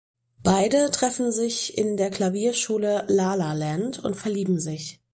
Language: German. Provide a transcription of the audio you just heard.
Beide treffen sich in der Klavierschule "La La Land" und verlieben sich.